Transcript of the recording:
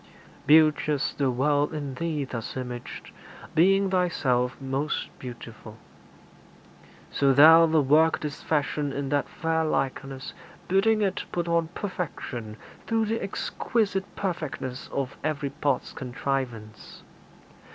Beauteous The world in Thee thus imaged, being Thyself Most beautiful. So Thou the work didst fashion In that fair likeness, bidding it put on Perfection through the exquisite perfectness Of every part's contrivance.